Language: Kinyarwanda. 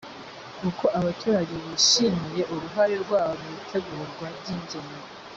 uko abaturage bishimiye uruhare rwabo mu itegurwa ry ingengo